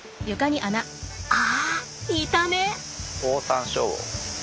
あいたね！